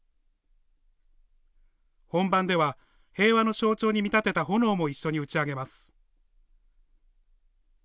本番では平和の象徴に見立てた炎も一緒に打ち上げます。